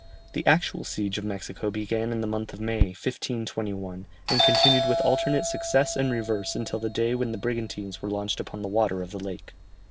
The actual siege of Mexico began in the month of May, 1521, and continued with alternate success and reverse until the day when the brigantines were launched upon the water of the lake.